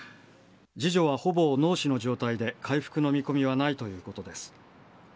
次女はほぼ脳死の状態で、回復の見込みはないということです。